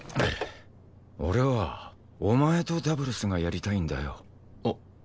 俺はお前とダブルスがやりたいんだよ。